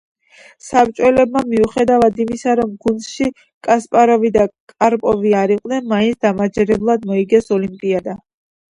საბჭოელებმა მიუხედავად იმისა, რომ გუნდში კასპაროვი და კარპოვი არ იყვნენ, მაინც დამაჯერებლად მოიგეს ოლიმპიადა.